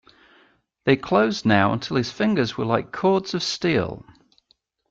They closed now until his fingers were like cords of steel.